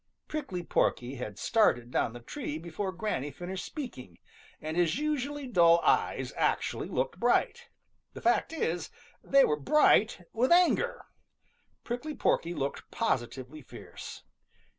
Prickly Porky had started down the tree before Granny finished speaking, and his usually dull eyes actually looked bright. The fact is, they were bright with anger. Prickly Porky looked positively fierce.